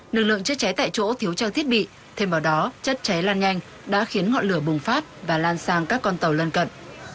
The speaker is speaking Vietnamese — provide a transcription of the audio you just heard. lực lượng chất cháy tại chỗ thiếu trang thiết bị thêm vào đó chất cháy lan nhanh đã khiến ngọn lửa bùng phát và lan sang các con tàu lân cận